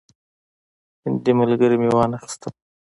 هندي ملګري مې وانه خیستل.